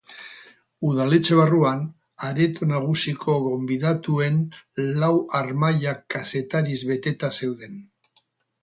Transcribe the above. Udaletxe barruan, areto nagusiko gonbidatuen lau harmailak kazetariz beteta zeuden.